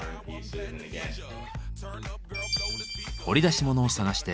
掘り出し物を探して。